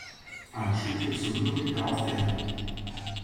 Eine Studie zur Lyrik der Aufklärung".